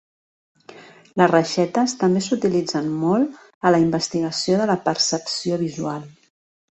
Les reixetes també s'utilitzen molt a la investigació de la percepció visual.